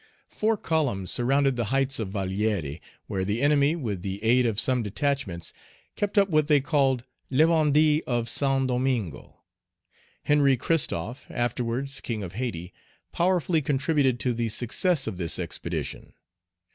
Four columns surrounded the heights of Vallière, where the enemy, with the aid of some detachments, kept up what they called "La Vendée of Saint Domingo." Henry Christophe, afterwards King of Hayti, powerfully contributed to the success of this expedition.